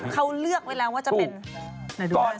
เขาเลือกไว้แล้วว่าจะเป็น